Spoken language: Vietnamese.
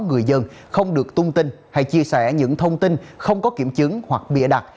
người dân không được tung tin hay chia sẻ những thông tin không có kiểm chứng hoặc bịa đặt